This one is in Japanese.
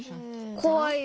こわいよ。